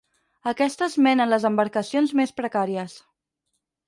Aquestes menen les embarcacions més precàries.